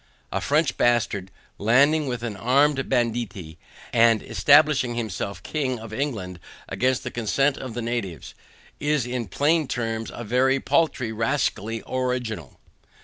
A French bastard landing with an armed banditti, and establishing himself king of England against the consent of the natives, is in plain terms a very paltry rascally original.